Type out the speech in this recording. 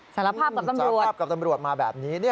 สารภาพกับตำรวจสารภาพกับตำรวจมาแบบนี้